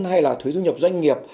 hay là thuế thu nhập doanh nghiệp